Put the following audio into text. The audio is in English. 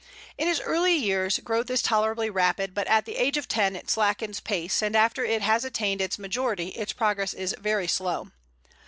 In its early years growth is tolerably rapid, but at the age of ten it slackens pace, and after it has attained its majority its progress is very slow.